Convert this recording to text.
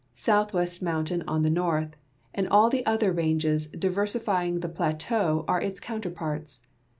Southwest mountain on the north, and all the other ranges diversifying the plateau are its counterparts.